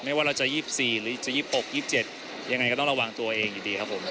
ว่าเราจะ๒๔หรือจะ๒๖๒๗ยังไงก็ต้องระวังตัวเองอยู่ดีครับผม